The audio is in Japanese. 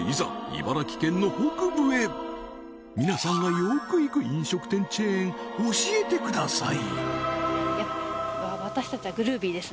茨城県の北部へ皆さんがよく行く飲食店チェーン教えてください！